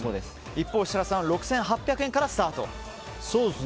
一方、設楽さんは６８００円からスタート。